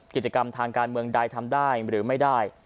กิจกรรมทางการเมืองใดทำได้หรือไม่ได้